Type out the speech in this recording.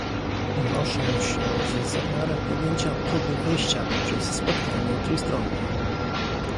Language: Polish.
Noszę się z zamiarem podjęcia próby wyjścia poprzez spotkanie trójstronne